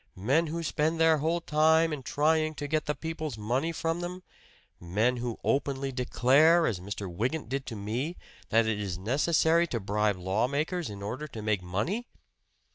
Men who spend their whole time in trying to get the people's money from them! Men who openly declare, as Mr. Wygant did to me, that it is necessary to bribe lawmakers in order to make money!